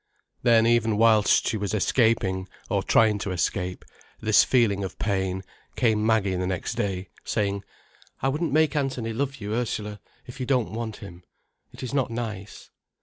Then even whilst she was escaping, or trying to escape, this feeling of pain, came Maggie the next day, saying: "I wouldn't make Anthony love you, Ursula, if you don't want him. It is not nice."